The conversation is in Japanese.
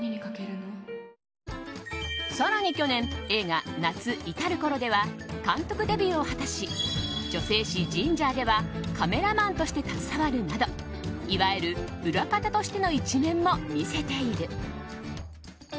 更に去年映画「夏、至るころ」では監督デビューを果たし女性誌「ＧＩＮＧＥＲ」ではカメラマンとして携わるなどいわゆる裏方としての一面も見せている。